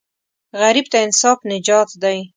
غریب ته انصاف نجات دی